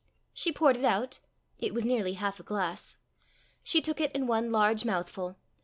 She poured it out. It was nearly half a glass. She took it in one large mouthful.